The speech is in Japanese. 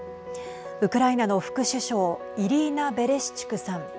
ウクライナの副首相イリーナ・ベレシチュクさん